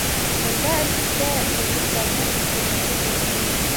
Бында, әлбиттә, белгестәрҙең кәңәше кәрәк.